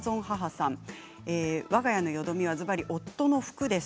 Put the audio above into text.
わが家のよどみは、ずばり夫の服です。